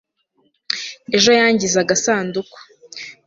ejo yangize agasanduku